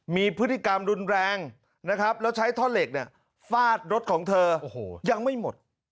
มีพฤติกรรมรุนแรงนะครับแล้วใช้ท่อเหล็กเนี่ยฟาดรถของเธอยังไม่หมด